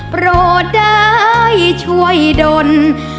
เพราะได้ช่วยดน